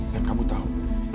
dan kamu tau